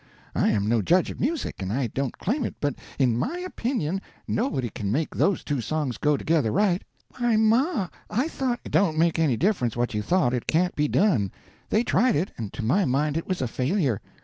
I am no judge of music, and I don't claim it, but in my opinion nobody can make those two songs go together right." "Why, ma, I thought " "It don't make any difference what you thought, it can't be done. They tried it, and to my mind it was a failure.